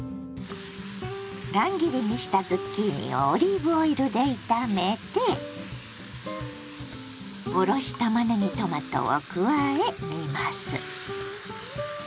乱切りにしたズッキーニをオリーブオイルで炒めておろしたまねぎトマトを加え煮ます。